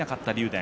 電。